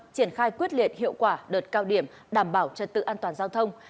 triển khai quyết liệt hiệu quả đợt cao điểm đảm bảo trật tự an toàn giao thông